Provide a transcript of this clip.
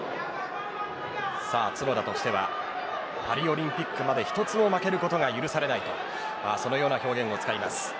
角田としてはパリオリンピックまで１つも負けることが許されないとそのような表現を使います。